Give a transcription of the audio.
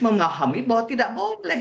mengahami bahwa tidak boleh